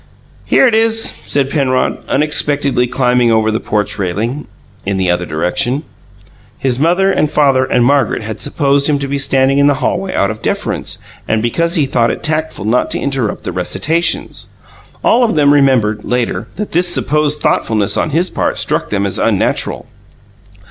"Here it is," said Penrod, unexpectedly climbing over the porch railing, in the other direction. His mother and father and Margaret had supposed him to be standing in the hallway out of deference, and because he thought it tactful not to interrupt the recitations. All of them remembered, later, that this supposed thoughtfulness on his part struck them as unnatural.